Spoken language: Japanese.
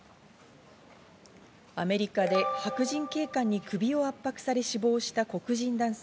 アメリカで白人警官に首を圧迫され死亡した黒人男性